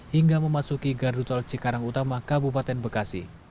hingga memasuki garutol cikarang utama kabupaten bekasi